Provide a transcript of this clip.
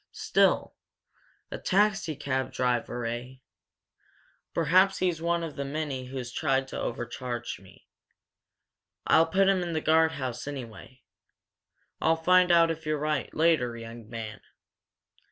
Still a taxi cab driver, eh? Perhaps he's one of the many who's tried to overcharge me. I'll put him in the guardhouse, anyway! I'll find out if you're right later, young man!"